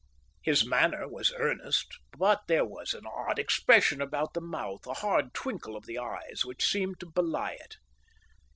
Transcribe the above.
His mariner was earnest, but there was an odd expression about the mouth, a hard twinkle of the eyes, which seemed to belie it.